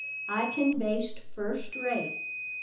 I can baste first rate.